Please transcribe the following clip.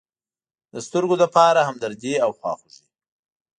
د سترگو لپاره همدردي او خواخوږي.